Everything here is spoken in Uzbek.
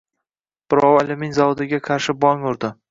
Birovi alyumin zavodiga qarshi bong urdi.